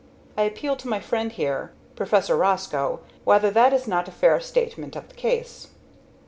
I appeal to my friend here (Professor Roscoe) whether that is not a fair statement of the case.